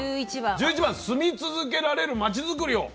１１番「住み続けられるまちづくりを」。